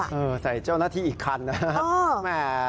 เออใส่เจ้าหน้าที่อีกคันแหม่